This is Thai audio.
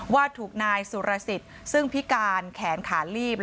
ว่าถูกนายสุรสิทธิ์ซึ่งพิการแขนขาลีบ